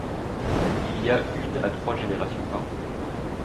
Il y a une à trois générations par an.